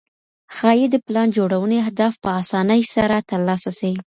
ښايي د پلان جوړوني اهداف په اسانۍ سره ترلاسه سي.